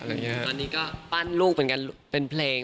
ตอนนี้ก็ปั้นลูกเป็นเพลง